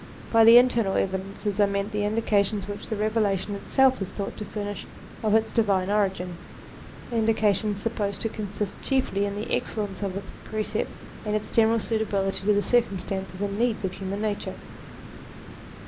By the internal evidences are meant the indications which the Eevelation itself is thought to furnish of its divine origin; indications supposed to consist chiefly in the excellence of its precepts, and its general suitability to the circumstances and needs of human nature.